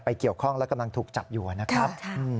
เกี่ยวข้องและกำลังถูกจับอยู่นะครับ